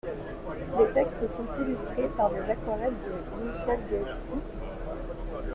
Les textes sont illustrés par des aquarelles de Michel Gassies.